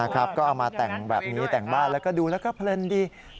ก็เอามาแต่งแบบนี้แต่งบ้านแล้วก็ดูแล้วก็เพลินดี